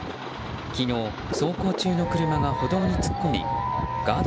昨日、走行中の車が歩道に突っ込みガード